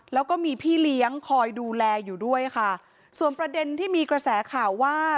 แล้วก็มีพี่เลี้ยงคอยดูแลอยู่ด้วยค่ะส่วนประเด็นที่มีกระแสข่าวว่า